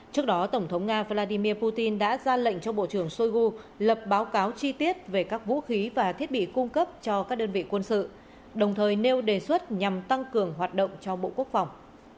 trước đó tổng thống nga vladimir putin đã ra lệnh cho bộ trưởng shoigu lập báo cáo chi tiết về các vũ khí và thiết bị cung cấp cho các đơn vị quân sự đồng thời nêu đề xuất nhằm tăng cường hoạt động cho bộ quốc phòng